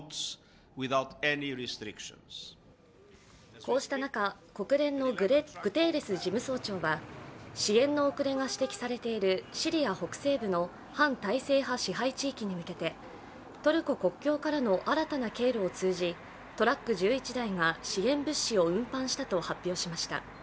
こうした中、国連のグテーレス事務総長は支援の遅れが指摘されているシリア北西部の反体制派支配地域に向けてトルコ国境からの新たな経路を通じ、トラック１１台が支援物資を運搬したと発表しました。